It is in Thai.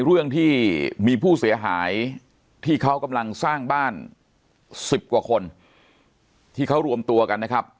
เรื่องที่มีผู้เสียหายที่เขากำลังสร้างบ้าน๑๐กว่าคนที่เขารวมตัวกันนะครับ